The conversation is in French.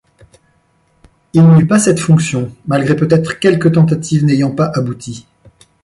Il n'eut pas cette fonction malgré peut-être quelques tentatives n'ayant pas abouti.